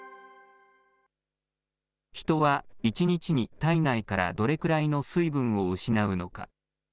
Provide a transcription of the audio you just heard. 人は１日に体内からどれくらいの水分を失うのか。